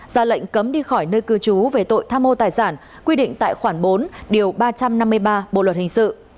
ra lệnh cấm đi khỏi nơi cư trú về tội tham mô tài sản quy định tại khoản bốn điều ba trăm năm mươi ba bộ luật hình sự